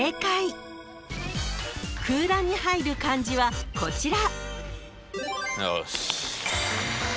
［空欄に入る漢字はこちら］